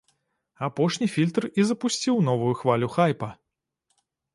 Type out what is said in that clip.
Апошні фільтр і запусціў новую хвалю хайпа.